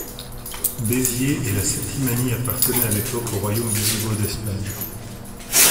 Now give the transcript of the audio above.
Béziers et la Septimanie appartenaient à l'époque au royaume wisigoth d'Espagne.